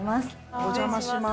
お邪魔します。